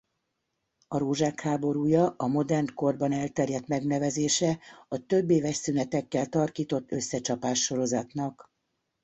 A rózsák háborúja a modern korban elterjedt megnevezése a többéves szünetekkel tarkított összecsapás-sorozatnak.